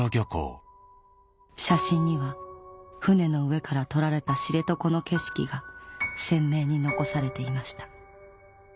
写真には船の上から撮られた知床の景色が鮮明に残されていました